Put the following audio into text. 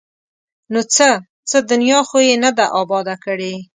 ـ نو څه؟ څه دنیا خو یې نه ده اباده کړې!